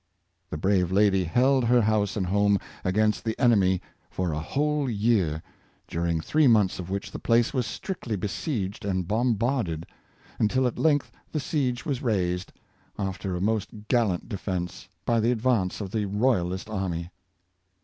*" The brave lady held her house and home against the enemy for a whole year — during three months of which the place was strictly be sieged and bombarded — until at length the siege was raised, after a most gallant defense, by the advance of the Royalist army.